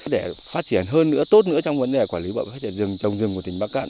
để phát triển hơn nữa tốt nữa trong vấn đề quản lý và phát triển rừng trồng rừng của tỉnh bắc cạn